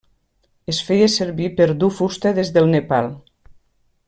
Es feia servir per dur fusta des del Nepal.